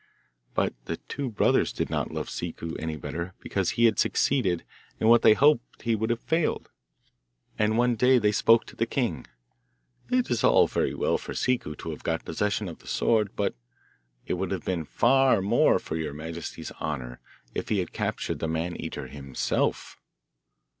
But the two brothers did not love Ciccu any better because he had succeeded when they hoped he would have failed, and one day they spoke to the king. 'It is all very well for Ciccu to have got possession of the sword, but it would have been far more to your majesty's honour if he had captured the Man eater himself.